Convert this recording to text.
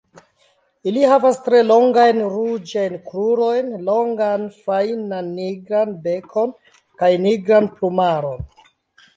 Ili havas tre longajn ruĝajn krurojn, longan fajnan nigran bekon kaj nigran plumaron.